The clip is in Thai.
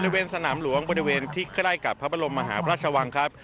บริเวณสนามหลวงบริเวณที่ใกล้กับพระบรมมหาพระราชวังครับ